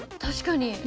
確かに！